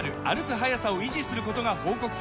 速さを維持することが報告されています